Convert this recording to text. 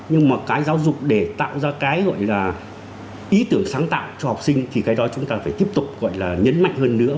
nhưng mà cái giáo dục để tạo ra cái gọi là ý tưởng sáng tạo cho học sinh thì cái đó chúng ta phải tiếp tục gọi là nhấn mạnh hơn nữa